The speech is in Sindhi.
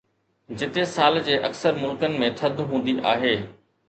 جتي سال جي اڪثر ملڪن ۾ ٿڌ هوندي آهي